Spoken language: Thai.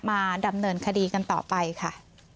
มาดำเนินคดีกันต่อไปค่ะ